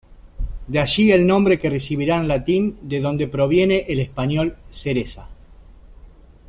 De allí el nombre que recibiría en latín, de donde proviene el español "cereza".